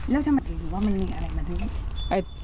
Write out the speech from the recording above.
แล้วทำไมหรือว่ามันมีอะไรกัน